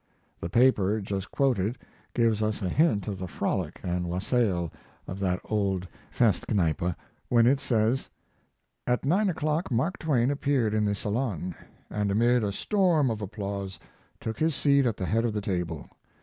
The paper just quoted gives us a hint of the frolic and wassail of that old 'Festkneipe' when it says: At 9 o'clock Mark Twain appeared in the salon, and amid a storm of applause took his seat at the head of the table.